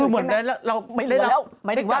เหมือนเราไม่เล่นรัก